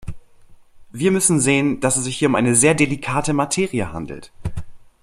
Wir müssen sehen, dass es sich hier um eine sehr delikate Materie handelt.